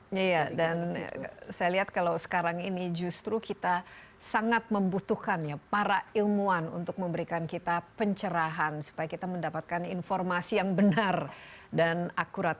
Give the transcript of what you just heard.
iya dan saya lihat kalau sekarang ini justru kita sangat membutuhkan ya para ilmuwan untuk memberikan kita pencerahan supaya kita mendapatkan informasi yang benar dan akurat